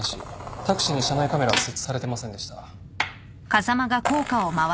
タクシーに車内カメラは設置されてませんでした。